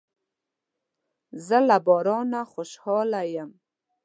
زه له بارانه خوشاله یم.